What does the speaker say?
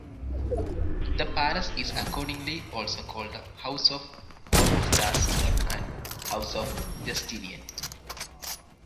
The palace is accordingly also called the "House of Hormisdas" and "House of Justinian".